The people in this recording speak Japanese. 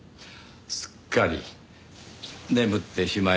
すっかり眠ってしまいました。